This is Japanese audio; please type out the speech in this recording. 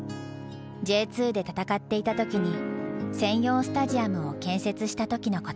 Ｊ２で戦っていた時に専用スタジアムを建設した時のこと。